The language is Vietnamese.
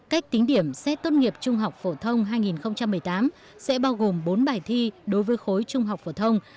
cách tính điểm xét tốt nghiệp trung học phổ thông hai nghìn một mươi tám sẽ bao gồm bốn bài thi đối với khối trung học phổ thông